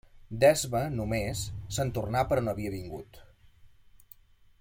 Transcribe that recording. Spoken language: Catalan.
D'esma només, se'n tornà per on havia vingut.